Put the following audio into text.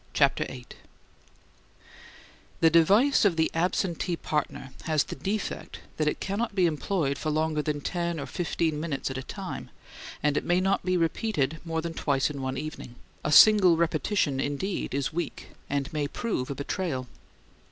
CHAPTER VIII The device of the absentee partner has the defect that it cannot be employed for longer than ten or fifteen minutes at a time, and it may not be repeated more than twice in one evening: a single repetition, indeed, is weak, and may prove a betrayal.